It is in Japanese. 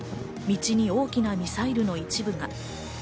道に大きなミサイルの一部が。